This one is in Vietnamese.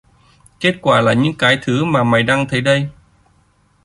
Kết quả là những cái thứ mà mày đang thấy đây